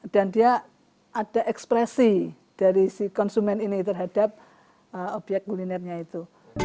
dan dia ada ekspresi dari si konsumen ini terhadap obyek gulinernya itu